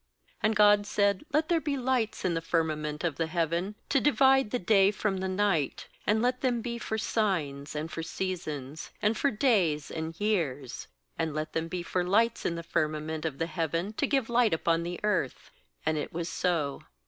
14And God said: 'Let there be lights in the firmament of the heaven to divide the day from the night; and let them be for signs, and for seasons, and for days and years; 15and let them be for lights in the firmament of the heaven to give light upon the earth J And it was so.